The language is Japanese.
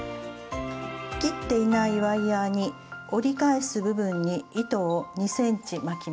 切っていないワイヤーに折り返す部分に糸を２ｃｍ巻きます。